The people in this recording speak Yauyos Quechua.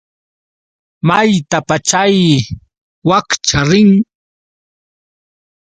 ¿Maytapa chay wakcha rin?